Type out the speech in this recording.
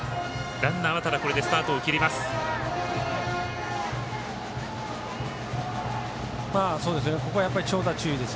ランナーはこれでスタートを切ります。